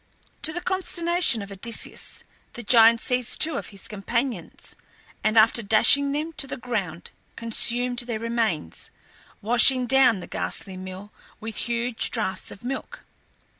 To the consternation of Odysseus the giant seized two of his companions, and, after dashing them to the ground, consumed their remains, washing down the ghastly meal with huge draughts of milk.